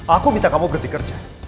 aku minta kamu berhenti kerja